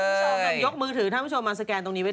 ถ้าผู้ชมยกมือถือถ้าผู้ชมมาสแกนตรงนี้ไว้เลย